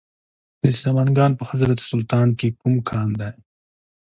د سمنګان په حضرت سلطان کې کوم کان دی؟